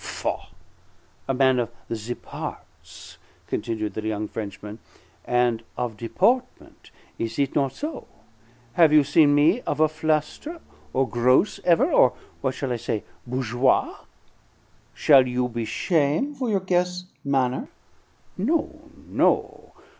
"Faugh!" "A man of the parts," continued the the young Frenchman, "and of deportment; is it not so? Have you seen me of a fluster, or gross ever, or, what sall I say bourgeois? Shall you be shame' for your guest' manner? No, no!